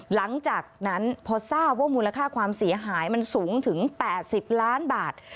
หลังจากนั้นพอทราบว่ามูลค่าความเสียหายมันสูงถึง๘๐ล้านบาท